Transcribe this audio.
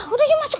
udah ya masuk